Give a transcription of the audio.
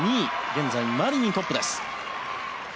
現在マリニン、トップです。